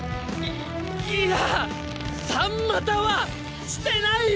いいや三股はしてないよ！